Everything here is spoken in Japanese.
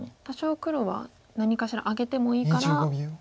多少黒は何かしらあげてもいいから。